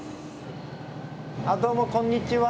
あっどうもこんにちは。